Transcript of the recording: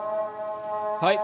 はい。